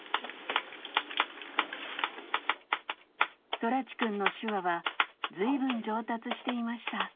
空知くんの手話はずいぶん上達していました。